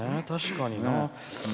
確かにな。